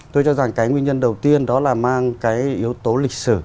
tôi cho rằng cái nguyên nhân đầu tiên đó là mang cái yếu tố lịch sử